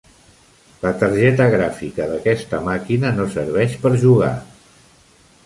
La targeta gràfica d'aquesta màquina no serveix per jugar.